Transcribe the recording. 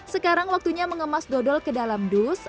sekarang waktunya mengemas dodol ke dalam dus